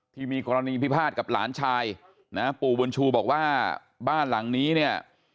ที่มีกรณีพิพาทกับหลานชายนะปู่บุญชูบอกว่าบ้านหลังนี้เนี่ย